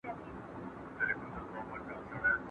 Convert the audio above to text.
ماشوم په خوشحالۍ خپل پلار ته ورمنډه کړه.